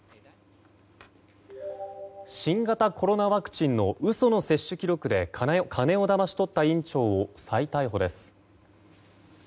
新型コロナワクチンの嘘の接種記録で金をだまし取った院長を再逮捕です。